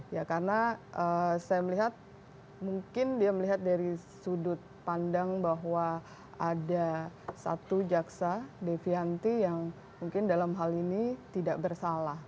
ya karena saya melihat mungkin dia melihat dari sudut pandang bahwa ada satu jaksa devianti yang mungkin dalam hal ini tidak bersalah